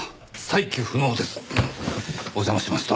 お邪魔しました。